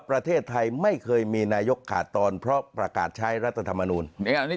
ประเทศไทยไม่เคยมีนายกขาดตอนเพราะประกาศใช้รัฐธรรมนูล